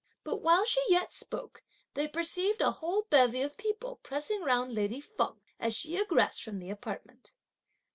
But while she yet spoke, they perceived a whole bevy of people, pressing round lady Feng, as she egressed from the apartment.